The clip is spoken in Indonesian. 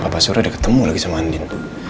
papa sore udah ketemu lagi sama andin